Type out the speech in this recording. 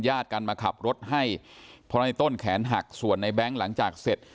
กันมาขับรถให้เพราะในต้นแขนหักส่วนในแบงค์หลังจากเสร็จ